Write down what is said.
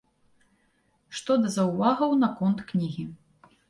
Што да заўвагаў наконт кнігі.